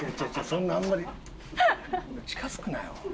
そんなあんまり近付くなよ。